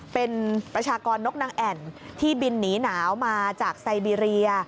เป็นประชากรนกนางแอ่นที่บินหนีหนาวมาจากไซเบีย